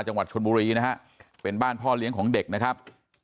จังหวัดชนบุรีนะฮะเป็นบ้านพ่อเลี้ยงของเด็กนะครับ